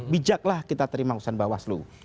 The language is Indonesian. bijaklah kita terima keputusan bawaslu